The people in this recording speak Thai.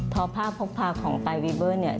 พอภาพพกพาของปลายวีเบอร์เนี่ย